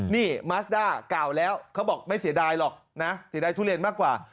นี่มาสด้ากล่าวแล้วเขาบอกไม่เสียดายหรอกนะเสียดายทุเรียนมากกว่า